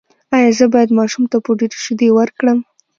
ایا زه باید ماشوم ته پوډري شیدې ورکړم؟